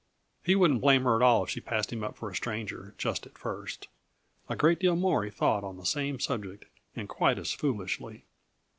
He wouldn't blame her at all if she passed him up for a stranger, just at first. A great deal more he thought on the same subject, and quite as foolishly.